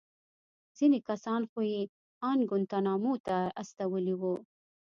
ځينې کسان خو يې ان گوانټانامو ته استولي وو.